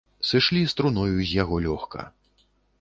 Сышлі з труною з яго лёгка.